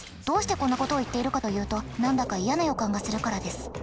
どうしてこんなことを言っているかというと何だか嫌な予感がするからです。